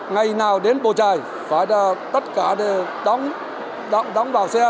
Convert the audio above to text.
ngày nào đến bầu trời phải là tất cả đều đóng vào xe